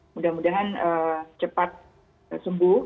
mudah mudahan cepat sembuh